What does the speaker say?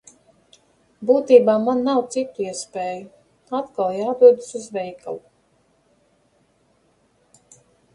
Būtībā man nav citu iespēju – atkal jādodas uz veikalu.